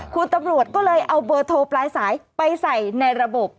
คุณตำรวจก็เลยเอาเบอร์โทรปลายสายไปใส่ในระบบ